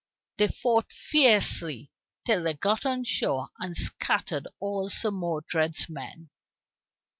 They fought fiercely till they got on shore and scattered all Sir Modred's men.